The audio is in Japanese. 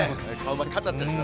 真っ赤になったりして。